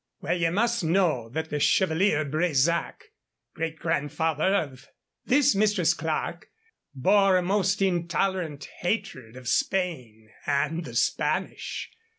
Well, ye must know that the Chevalier Bresac, great grandfather of this Mistress Clerke, bore a most intolerant hatred of Spain and the Spanish.